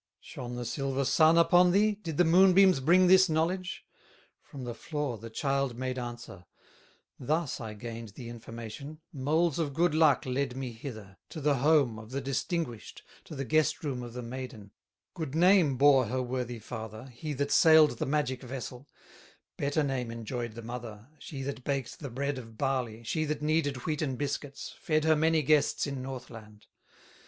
Shone the silver Sun upon thee, Did the moonbeams bring this knowledge?" From the floor the child made answer: "Thus I gained the information, Moles of good luck led me hither, To the home of the distinguished, To the guest room of the maiden, Good name bore her worthy father, He that sailed the magic vessel; Better name enjoyed the mother, She that baked the bread of barley, She that kneaded wheaten biscuits, Fed her many guests in Northland.